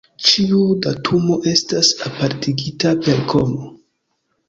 Ĉiu datumo estas apartigita per komo.